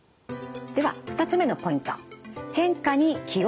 では２つ目のポイント。